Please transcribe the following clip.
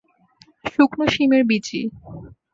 শুকনো শিমের বিচি।